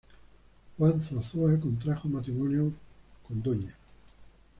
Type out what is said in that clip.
Juan Zuazua contrajo matrimonio con Dña.